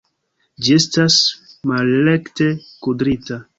Ĝi estas malrekte kudrita!